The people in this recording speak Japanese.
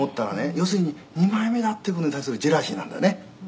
要するに二枚目だっていう事に対するジェラシーなんだよね」